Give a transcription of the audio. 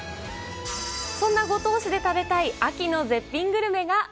そんなご当地で食べたい秋の絶品グルメが。